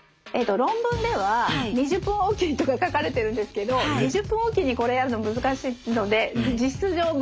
論文では２０分置きにとか書かれてるんですけど２０分置きにこれやるの難しいので実質上無理だと思うので。